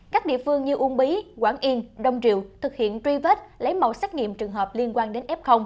các địa phương như uông bí quảng yên đông triều thực hiện truy vết lấy mẫu xét nghiệm trường hợp liên quan đến f